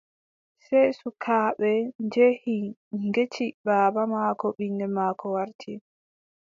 Sey sukaaɓe njehi ngecci baaba maako ɓiŋngel maako warti.